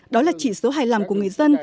đó là chỉ số hài lòng của người dân